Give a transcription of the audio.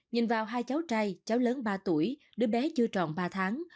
nhìn vào hai cháu trai cháu lớn ba tuổi đứa bé chưa tròn ba tháng